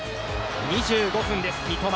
２５分です、三笘。